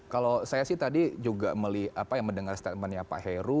kalau saya sih tadi juga melihat apa yang mendengar statementnya pak heru